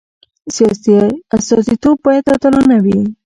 سیاسي استازیتوب باید عادلانه وي